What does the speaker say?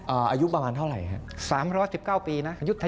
อ๋อออกไปอีก